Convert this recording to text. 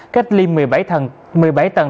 cách liên một mươi bảy tầng